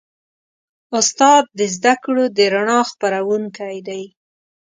استاد د زدهکړو د رڼا خپروونکی دی.